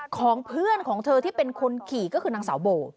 ของเพื่อนของเธอที่เป็นคนขี่ก็คือนางสาวโบ